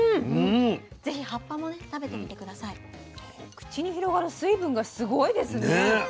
口に広がる水分がすごいですね。ね